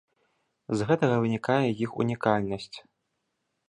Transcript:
З гэтага вынікае іх унікальнасць.